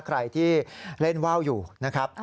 ใครที่เล่นว่าวอยู่นะครับ